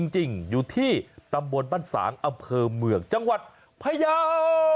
จริงอยู่ที่ตำบลบ้านสางอำเภอเมืองจังหวัดพยาว